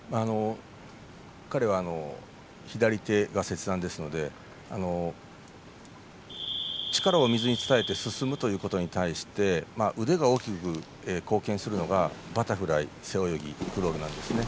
彼は左手が切断ですので力を水に伝えて進むということに対して腕が大きく貢献するのがバタフライ、背泳ぎクロールなんですね。